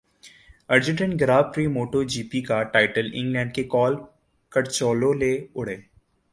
Argentine grand prix moto G P کا title England کے کال کرچلو لے اڑے